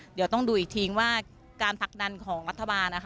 เดี๋ยวต้องดูอีกทีว่าการผลักดันของรัฐบาลนะคะ